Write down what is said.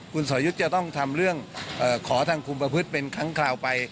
คุณสรยุทธ์จะต้องทำเรื่องขอทางคุมประพฤติเป็นครั้งคราวไป